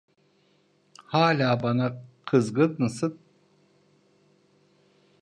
Hala bana kızgın mısın?